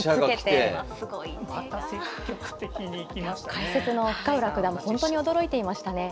解説の深浦九段もほんとに驚いていましたね。